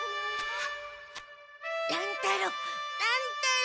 乱太郎！